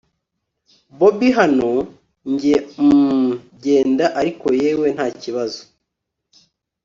bobi hano! njye hhhmm genda ariko yewe ntakibazo